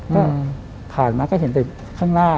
ก็ผ่านมาก็เห็นแต่ข้างหน้า